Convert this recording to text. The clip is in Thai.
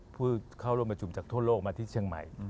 ผู้เข้าร่วมประชุมจากทั่วโลกมาที่เชียงใหม่